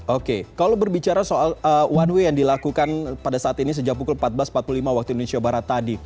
oke kalau berbicara soal one way yang dilakukan pada saat ini sejak pukul empat belas empat puluh lima waktu indonesia barat tadi